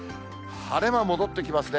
晴れ間戻ってきますね。